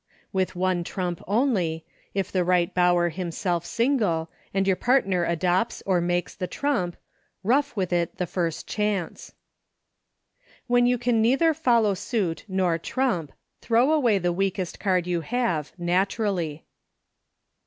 With one trump only, if the Eight Bower himself single, and your partner adopts or makes the trump, ruff with it the first chance. When you can neither follow suit nor trump, throw away the weakest card you have, natu rally.